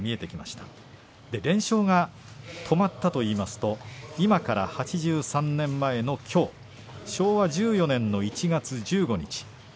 連勝が止まったといいますと今から８３年前のきょう昭和１４年の１月１５日